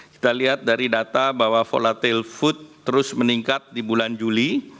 kita lihat dari data bahwa volatil food terus meningkat di bulan juli